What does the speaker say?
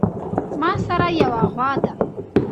ماسره يوه غوا ده